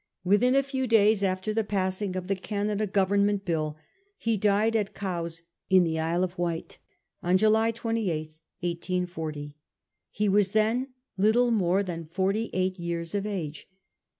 Within a few days after the passing of the Canada Government Bill he died at Cowes, in the Isle of Wight, on July 28, 1840. He was then little more than forty eight years of age.